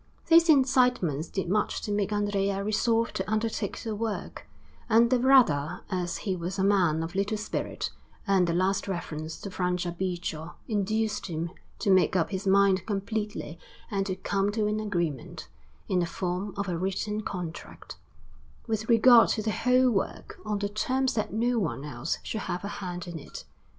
These incitements did much to make Andrea resolve to undertake the work, and the rather as he was a man of little spirit; and the last reference to Franciabigio induced him to make up his mind completely and to come to an agreement, in the form of a written contract, with regard to the whole work, on the terms that no one else should have a hand in it.